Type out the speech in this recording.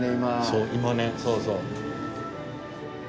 そう今ねそうそう。